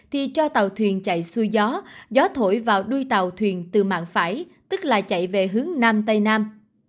thì cho tàu thuyền chạy xuôi gió gió thổi vào đuôi tàu thuyền từ mạng phải tức là chạy về hướng nam tây nam